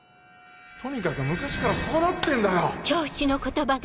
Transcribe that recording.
とにかく昔からそうなってんだよ！